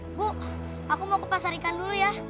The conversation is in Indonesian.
ibu aku mau ke pasar ikan dulu ya